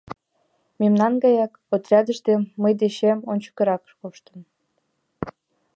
— Мемнан гаяк... отрядыште мый дечем ончычрак коштын.